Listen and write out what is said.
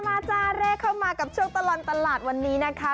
จ้าเลขเข้ามากับช่วงตลอดตลาดวันนี้นะคะ